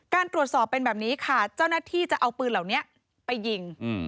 การตรวจสอบเป็นแบบนี้ค่ะเจ้าหน้าที่จะเอาปืนเหล่านี้ไปยิง